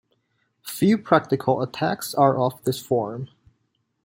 Few practical attacks are of this form.